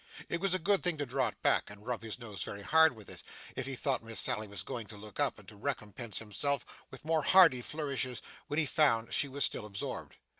It was a good thing to draw it back, and rub his nose very hard with it, if he thought Miss Sally was going to look up, and to recompense himself with more hardy flourishes when he found she was still absorbed.